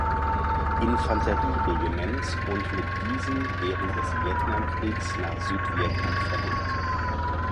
Infanterieregiments und mit diesem während des Vietnamkrieges nach Südvietnam verlegt.